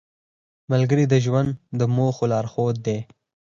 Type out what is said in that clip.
ملګری د ژوند د موخو لارښود دی